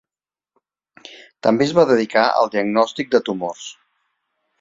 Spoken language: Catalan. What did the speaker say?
També es va dedicar al diagnòstic de tumors.